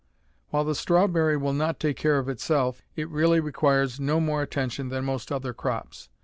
While the strawberry will not take care of itself, it really requires no more attention than most other crops.